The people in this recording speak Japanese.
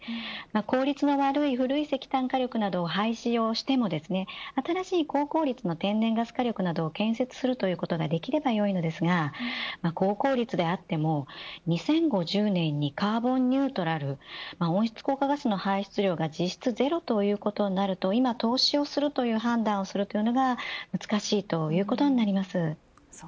効率の悪い古い石炭火力を廃止しても新しい高効率の天然ガス火力発電などを建設することができればいいですが高効率であっても、２０５０年にカーボンニュートラル温室効果ガスの排出量が実質ゼロということになると今投資をするという判断は難しいということになります。